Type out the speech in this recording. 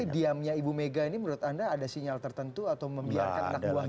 tapi diamnya ibu mega ini menurut anda ada sinyal tertentu atau membiarkan anak buahnya